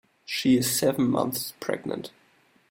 She is seven months pregnant.